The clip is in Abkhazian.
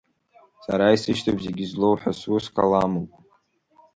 Сара исышьҭоуп Зегьызлоу ҳәа, сус каламуп…